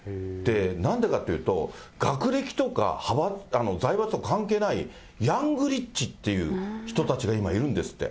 なんでかっていったら、学歴とか財閥とか関係ないヤングリッチっていう人たちが今、いるんですって。